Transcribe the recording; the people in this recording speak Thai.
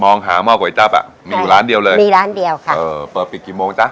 หาหม้อก๋วยจับอ่ะมีอยู่ร้านเดียวเลยมีร้านเดียวค่ะเออเปิดปิดกี่โมงจ๊ะ